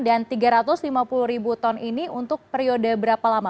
dan tiga ratus lima puluh ribu ton ini untuk periode berapa lama